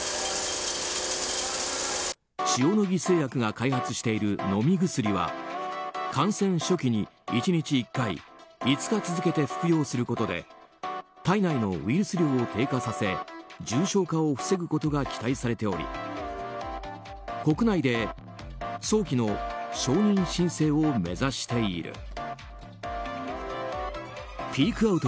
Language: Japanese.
塩野義製薬が開発している飲み薬は感染初期に１日１回５日続けて服用することで体内のウイルス量を低下させ重症化を防ぐことが期待されており国内で早期の承認申請を目指している。